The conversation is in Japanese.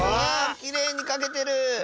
きれいにかけてる！